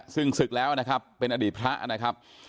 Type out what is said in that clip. ซึ่งศึกแล้วนะครับเป็นอดีตพระนะครับ